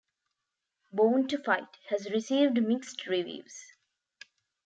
"Born to Fight" has received mixed reviews.